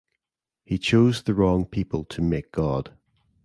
He chose the wrong people to make God.